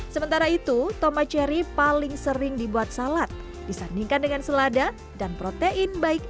sementara itu tomat cherry paling sering dibuat salad disandingkan dengan selada dan protein baik